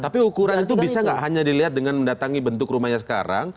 tapi ukuran itu bisa nggak hanya dilihat dengan mendatangi bentuk rumahnya sekarang